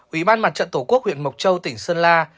ủy ban mặt trận tổ quốc huyện mộc châu tỉnh sơn la